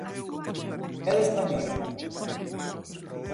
E da española?